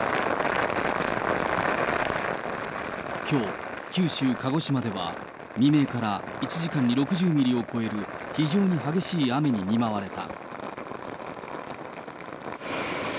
きょう、九州、鹿児島では、未明から１時間に６０ミリを超える非常に激しい雨に見舞われた。